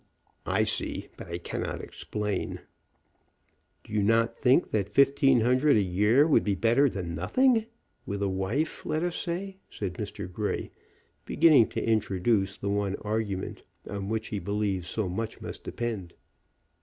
"I see, but I cannot explain." "Do you not think that fifteen hundred a year would be better than nothing, with a wife, let us say?" said Mr. Grey, beginning to introduce the one argument on which he believed so much must depend.